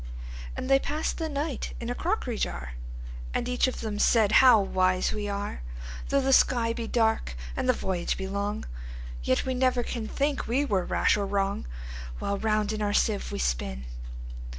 And they pass'd the night in a crockery jar; And each of them said, "How wise we are! Though the sky be dark, and the voyage be long, Yet we never can think we were rash or wrong, While round in our sieve we spin."